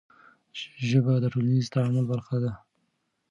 ژبه د ټولنیز تعامل برخه ده.